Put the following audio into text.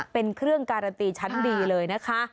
เป็นเครื่องการันตีชั้นดีเลยนะคะ